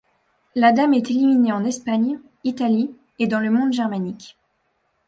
La dame est éliminée en Espagne, Italie et dans le monde germanique.